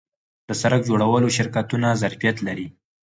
د سرک جوړولو شرکتونه ظرفیت لري؟